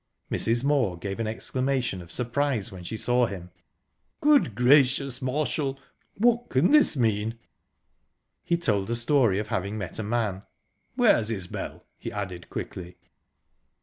Mrs. Moor gave an exclamation of surprise when she saw him. "Good gracious, Marshall! what can this mean?" He told a story of having met a man..."Where's Isbel?" he added quickly.